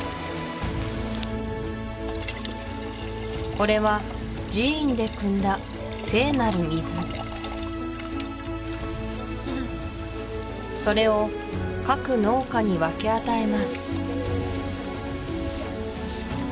これは寺院でくんだ聖なる水それを各農家に分け与えます